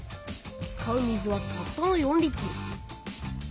使う水はたったの４リットル。